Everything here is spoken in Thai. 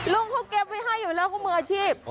ลุงเขาเก็บไว้ให้อยู่แล้วเขามืออาชีพ